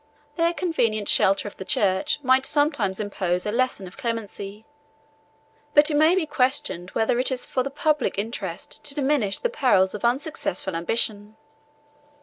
This convenient shelter of the church might sometimes impose a lesson of clemency; but it may be questioned whether it is for the public interest to diminish the perils of unsuccessful ambition.